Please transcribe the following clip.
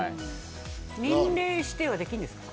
年齢指定はできるんですか。